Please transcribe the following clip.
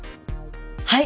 はい！